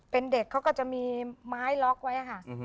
เป็นเด็กเขาก็จะมีไม้ล็อกไว้ค่ะ